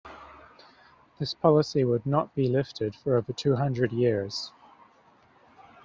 This policy would not be lifted for over two hundred years.